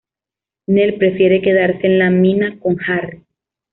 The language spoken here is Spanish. Nell prefiere quedarse en la mina con Harry.